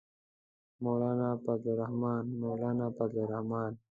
مولانا فضل الرحمن، مولانا فضل الرحمن.